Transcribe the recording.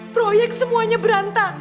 proyek semuanya berantakan